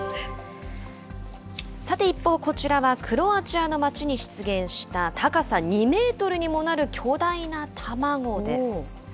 さて一方、こちらはクロアチアの街に出現した高さ２メートルにもなる巨大な卵です。